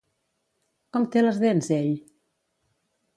Com té les dents ell?